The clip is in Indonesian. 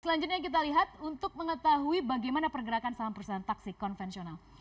selanjutnya kita lihat untuk mengetahui bagaimana pergerakan saham perusahaan taksi konvensional